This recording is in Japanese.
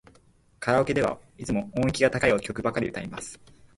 カラオケではいつも音域が高い曲ばかり歌います。